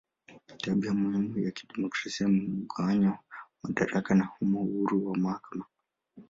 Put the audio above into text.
Tabia muhimu ya demokrasia ni mgawanyo wa madaraka na humo uhuru wa mahakama.